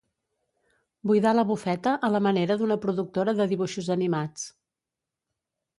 Buidar la bufeta a la manera d'una productora de dibuixos animats.